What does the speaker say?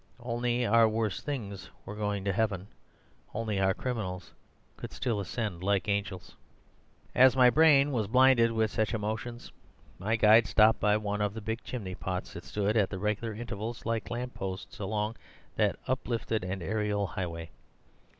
Only our worst things were going to heaven. Only our criminals could still ascend like angels. "As my brain was blinded with such emotions, my guide stopped by one of the big chimney pots that stood at the regular intervals like lamp posts along that uplifted and aerial highway.